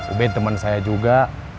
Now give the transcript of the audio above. ubed teman saya juga